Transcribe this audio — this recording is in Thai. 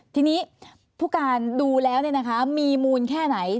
ทีนี้ผู้การดูแล้วมีมูลแค่ไหน